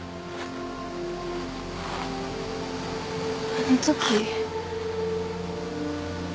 あのとき。